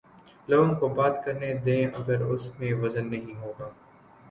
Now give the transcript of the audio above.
لوگوں کو بات کر نے دیں اگر اس میں وزن نہیں ہو گا۔